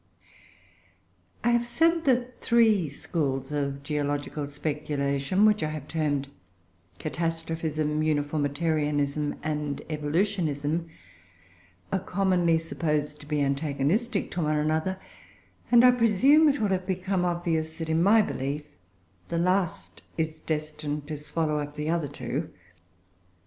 I have said that the three schools of geological speculation which I have termed Catastrophism, Uniformitarianism, and Evolutionism, are commonly supposed to be antagonistic to one another; and I presume it will have become obvious that in my belief, the last is destined to swallow up the other two.